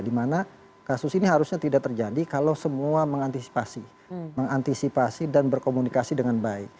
dimana kasus ini harusnya tidak terjadi kalau semua mengantisipasi dan berkomunikasi dengan baik